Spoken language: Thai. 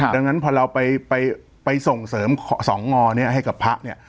ดังนั้นพอเราไปส่งเสริมสองงอเนี่ยให้กับพระเนี่ย